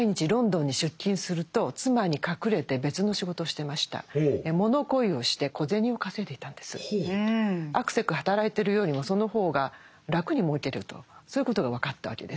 しかし実はですねあくせく働いてるよりもその方が楽に儲けるとそういうことが分かったわけです。